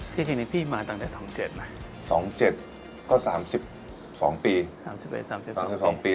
ที่จริงพี่มาตั้งแต่สองเจ็ดไหมสองเจ็ดก็สามสิบสองปีสามสิบปีสามสิบสองปี